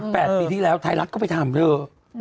๑๘ปีที่แล้วไทยรัฐก็ไปทำด้วย